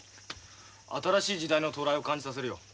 新しい時代の到来を感じさせるよ。